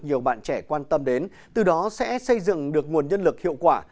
nhiều bạn trẻ quan tâm đến từ đó sẽ xây dựng được nguồn nhân lực hiệu quả